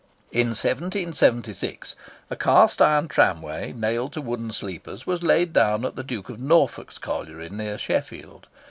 In 1776, a cast iron tramway, nailed to wooden sleepers, was laid down at the Duke of Norfolk's colliery near Sheffield.